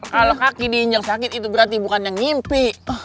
kalau kaki diinjak sakit itu berarti bukan yang ngimpi